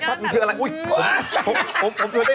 ลบเปลือนนิ้วรอย